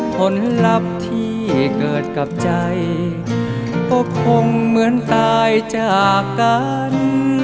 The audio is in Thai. ผลลัพธ์ที่เกิดกับใจก็คงเหมือนตายจากกัน